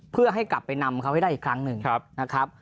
เพื่อให้กลับไปนำเขาให้ได้อีกครั้งหนึ่งนะครับ